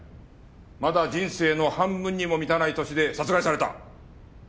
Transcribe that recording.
まだ人生の半分にも満たない年で殺害された。